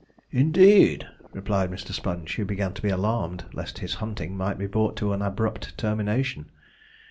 'Indeed!' replied Mr. Sponge, who began to be alarmed lest his hunting might be brought to an abrupt termination.